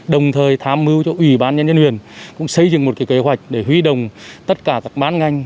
đồng thời tham mưu cho ủy ban nhân dân huyền cũng xây dựng một kế hoạch để huy động tất cả các bán ngành